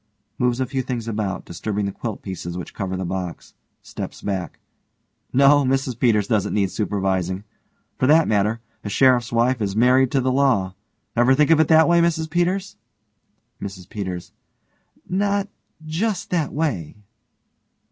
(Moves a few things about, disturbing the quilt pieces which cover the box. Steps back) No, Mrs Peters doesn't need supervising. For that matter, a sheriff's wife is married to the law. Ever think of it that way, Mrs Peters? MRS PETERS: Not just that way.